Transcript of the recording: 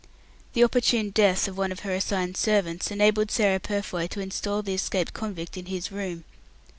The opportune death of one of her assigned servants enabled Sarah Purfoy to instal the escaped convict in his room.